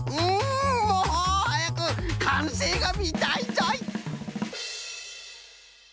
もうはやくかんせいがみたいぞい！